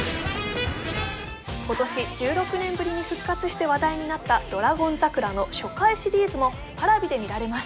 今年１６年ぶりに復活して話題になった「ドラゴン桜」の初回シリーズもＰａｒａｖｉで見られます